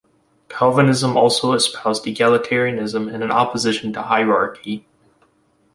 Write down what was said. Calvinism also espoused egalitarianism and an opposition to hierarchy.